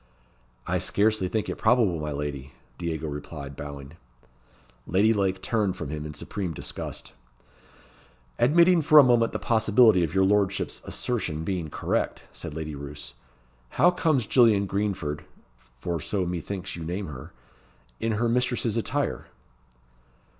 "I scarcely think it probable, my lady," Diego replied, bowing. Lady Lake turned from him in supreme disgust. "Admitting for a moment the possibility of your lordship's assertion being correct," said Lady Roos, "how comes Gillian Greenford (for so methinks you name her) in her mistress's attire?"